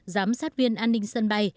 giám sát viên an ninh sân bay